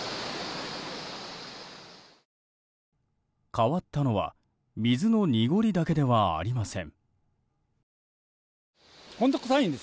変わったのは水の濁りだけではありません。